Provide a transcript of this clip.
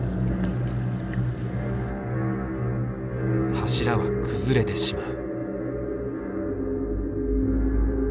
柱は崩れてしまう。